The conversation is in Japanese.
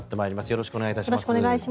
よろしくお願いします。